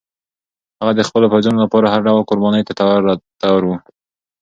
هغه د خپلو پوځیانو لپاره هر ډول قربانۍ ته تیار و.